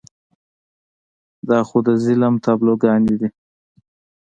دا خو د غم تابلوګانې دي.